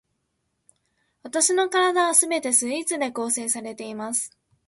わたしの身体は全てスイーツで構成されています